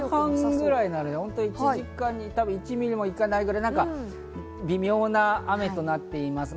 １時間に１ミリもいかないくらい、微妙な雨となっています。